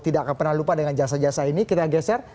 tidak akan pernah lupa dengan jasa jasa ini kita geser